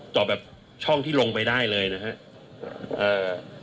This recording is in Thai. เจาะแบบช่องที่ลงไปได้เลยนะครับ